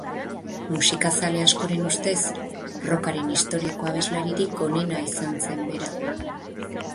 Musikazale askoren ustez, rockaren historiako abeslaririk onena izan zen bera.